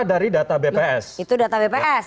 dari data bps itu data bps